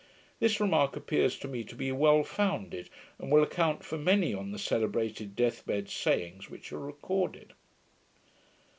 This remark appears to me to be well founded, and will account for many of the celebrated death bed sayings which are recorded.